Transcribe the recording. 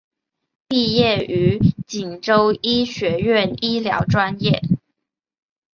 毕业于锦州医学院医疗专业。